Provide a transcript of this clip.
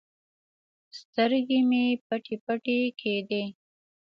سترګې مې پټې پټې کېدې.